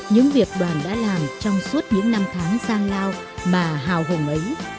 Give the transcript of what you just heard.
những việc đoàn đã làm trong suốt những năm tháng sang lao mà hào hồng ấy